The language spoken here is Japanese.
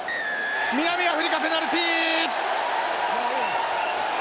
南アフリカペナルティー！